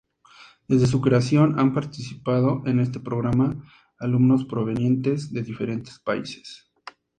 Desde su creación, han participado en este programa alumnos provenientes de diferentes países latinoamericanos.